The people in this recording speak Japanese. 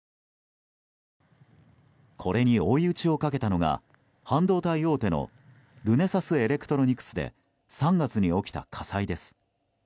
これに追い打ちをかけたのが半導体大手のルネサスエレクトロニクスで３月に起きた火災です。